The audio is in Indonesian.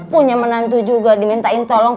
punya menantu juga dimintain tolong